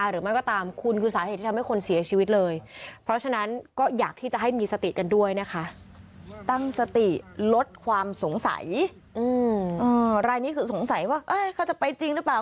รายนี้คือสงสัยว่าเขาจะไปจริงหรือเปล่า